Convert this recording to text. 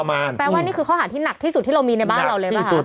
แปลว่านี่คือข้อหาที่หนักที่สุดที่เรามีในบ้านเราเลยป่ะคะ